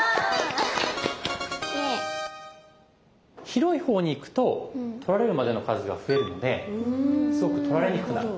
広いほうにいくと取られるまでの数が増えるのですごく取られにくくなる。